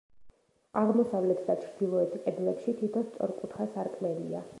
აღმოსავლეთ და ჩრდილოეთ კედლებში თითო სწორკუთხა სარკმელია.